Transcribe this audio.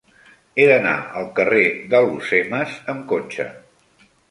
He d'anar al carrer d'Alhucemas amb cotxe.